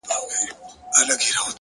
د کوټې دننه رڼا د بهر تیاره نرموي.!